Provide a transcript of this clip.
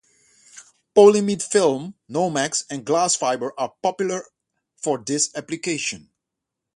Polyimide film, Nomex, and glassfibre are popular for this application.